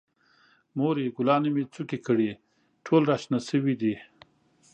مورې، ګلانو مې څوکې کړي، ټول را شنه شوي دي.